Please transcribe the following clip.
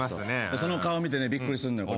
その顔見てねびっくりするのよ。